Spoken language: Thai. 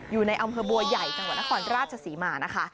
อยู่ในอำเภอบัวใหญ่จังหวัดนครราชศรีมานะคะ